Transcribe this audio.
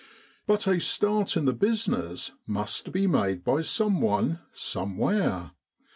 But a start in the business must be made by someone, somewhere.